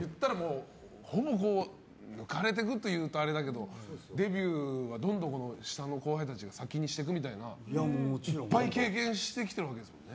ほぼ抜かれてくというとあれだけどデビューはどんどん下の後輩たちが先にしていくみたいなのいっぱい経験してきているわけですもんね。